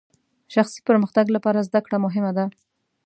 شخصي پرمختګ لپاره زدهکړه مهمه ده.